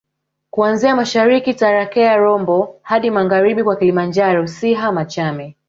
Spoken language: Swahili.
kuanzia mashariki Tarakea Rombo hadi magharibi kwa Kilimanjaro Siha Machame